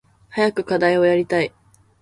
早く課題をやりたい。